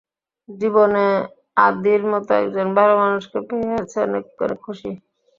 জীবনে আদির মতো একজন ভালো মানুষকে পেয়ে আমি অনেক অনেক খুশি।